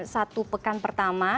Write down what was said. satu pekan pertama